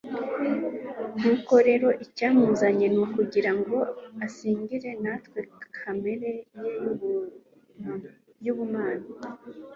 Nuko rero icyamuzanye ni ukugira ngo asangire natwe kamere ye y'ubumana.